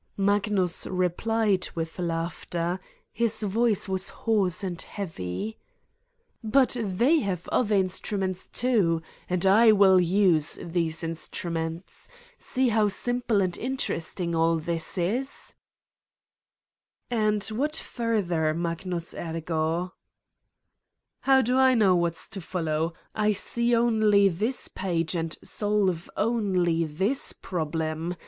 Magnus replied with laughter: his voice was hoarse and heavy: "But they have other instruments, too! And I will use these instruments. See how simple and interesting all this is?" 226 Satan's Diary "And what further, Magnus Ergo! " "How do I know what's to follow? I see only this page and solve only this problem.